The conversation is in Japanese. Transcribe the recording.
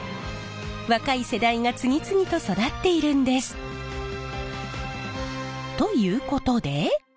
若い世代が次々と育っているんです。ということで。